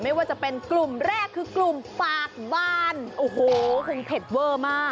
ไม่ว่าจะเป็นกลุ่มแรกคือกลุ่มปากบ้านโอ้โหคงเผ็ดเวอร์มาก